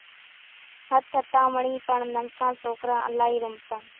ۿتۿتامڻِي پڻ ننڪان سوڪران الائِي رمتان۔